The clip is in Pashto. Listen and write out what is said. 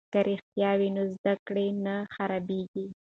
که رښتیا وي نو زده کړه نه خرابیږي.